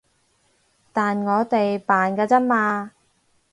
但我哋扮㗎咋嘛